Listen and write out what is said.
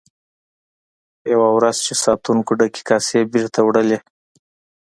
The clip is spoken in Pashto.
یوه ورځ چې ساتونکو ډکې کاسې بیرته وړلې.